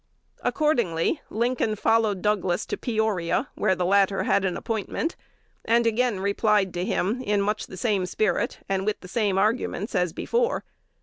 Accordingly, Lincoln "followed" Douglas to Peoria, where the latter had an appointment, and again replied to him, in much the same spirit, and with the same arguments, as before.